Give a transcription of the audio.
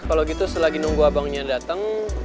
kalo gitu selagi nunggu abangnya dateng